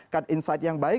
ke insight yang baik